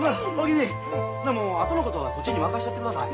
もうあとのことはこっちに任したってください。